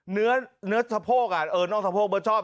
เนื้อสะโพกอ่ะเออนอกสะโพกเบอร์ชอบ